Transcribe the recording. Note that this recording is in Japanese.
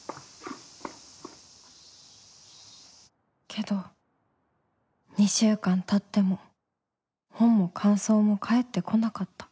けど二週間たっても本も感想も返ってこなかった